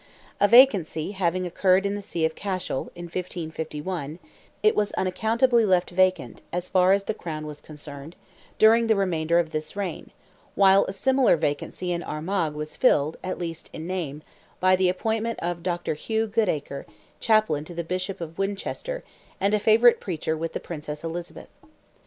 A vacancy having occurred in the See of Cashel, in 1551, it was unaccountably left vacant, as far as the Crown was concerned, during the remainder of this reign, while a similar vacancy in Armagh was filled, at least in name, by the appointment of Dr. Hugh Goodacre, chaplain to the Bishop of Winchester, and a favourite preacher with the Princess Elizabeth.